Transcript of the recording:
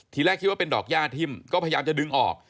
ทีแรกคิดว่าเป็นดอกย่าทิ่มก็พยายามจะดึงออก